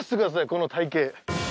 この体形。